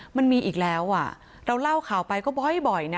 มันมีอีกแล้วเราเล่าข่าวไปก็บ่อยนะ